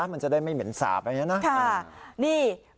มันจะได้ไม่เหม็นสาบอะไรอย่างนี้นะ